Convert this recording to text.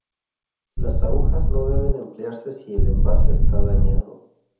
Las agujas no deben emplearse si el envase está dañado.